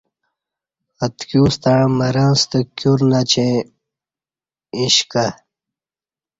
اتکیوستݩع مرں ستہ کیور نچیں ا ش کہ